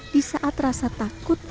di saat rasa takut